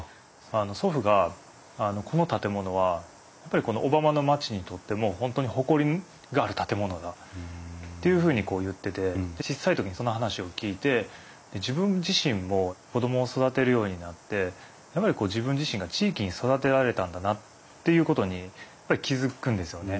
あの祖父がこの建物はやっぱりこの小浜の町にとっても本当に誇りがある建物だというふうに言ってて小さい時にその話を聞いて自分自身も子供を育てるようになってやっぱり自分自身が地域に育てられたんだなということに気付くんですよね。